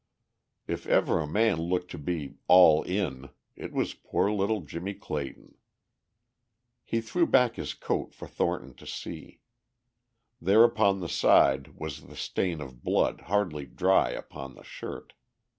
If ever a man looked to be "all in" it was poor little Jimmie Clayton. He threw back his coat for Thornton to see. There upon the side was the stain of blood hardly dry upon the shirt.